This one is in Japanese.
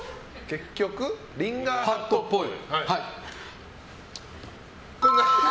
結局リンガーハットっぽい。